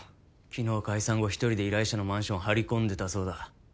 昨日解散後１人で依頼者のマンションを張り込んでたそうだ。